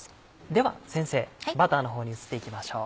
では先生バターの方に移っていきましょう。